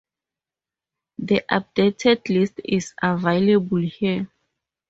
The updated list is available here.